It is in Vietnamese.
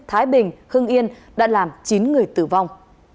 thái bình hưng yên đã làm chín người tử vong